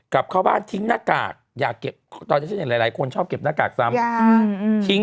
กลับเข้าบ้านทิ้งนาฬิกาหน้ากากอย่าเก็บตอนนี้หลายคนชอบเก็บนาฬิกาหน้ากากซำ